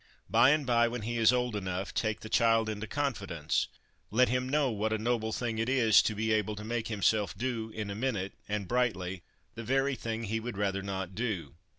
By and by, when he is old enough, take the child into confidence ; let him know what a noble thing it is to be able to make himself do, in a minute, and brightly, the very thing he would rather not do.